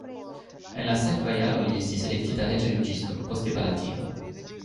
En la sekva jaro li estis elektita reĝa juĝisto, poste palatino.